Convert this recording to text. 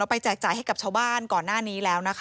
เอาไปจ่ายให้กับชาวบ้านก่อนหน้านี้แล้ว